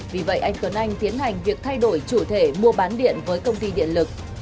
vì vậy anh tuấn anh tiến hành việc thay đổi chủ thể mua bán điện với công ty điện lực